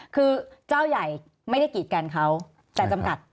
คือเจ้าใหญ่ไม่ได้กีดกันเขาแต่จำกัด